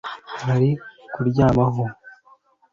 Hari ko uryamaho